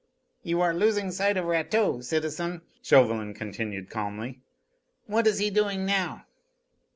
"You are losing sight of Rateau, citizen," Chauvelin continued calmly. "What is he doing now?"